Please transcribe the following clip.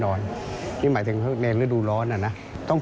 คุณผู้ชมฟังเสียงเจ้าอาวาสกันหน่อยค่ะ